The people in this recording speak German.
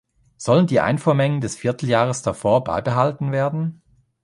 Sollen die Einfuhrmengen des Vierteljahres davor beibehalten werden?